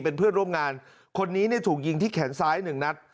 เป็นเพื่อนร่วมงานคนนี้ถูกยิงที่แขนซ้าย๑นัด